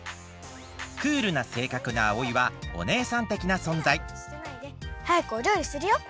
クールなせいかくなアオイはおねえさんてきなそんざいはやくおりょうりするよ。